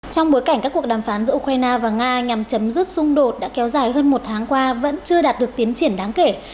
trong bối cảnh các cuộc đàm phán giữa ukraine và nga nhằm chấm dứt xung đột đã kéo dài hơn một tháng qua vẫn chưa đạt được tiến triển đáng kể